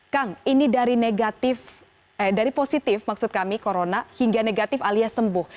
kang ini dari negatif dari positif maksud kami corona hingga negatif alias sembuh